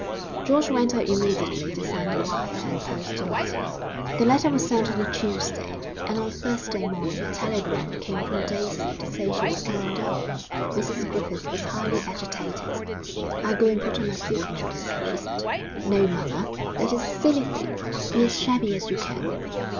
George went out immediately to send the wire and post the letter. XIV The letter was sent on a Tuesday, and on Thursday morning a telegram came from Daisy to say she was coming down. Mrs Griffith was highly agitated. 'I'll go and put on my silk dress,' she said. 'No, mother, that is a silly thing; be as shabby as you can.'